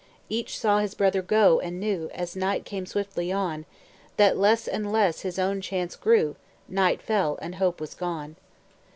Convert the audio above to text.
Each saw his brother go, and knew, As night came swiftly on, That less and less his own chance grew Night fell, and hope was gone.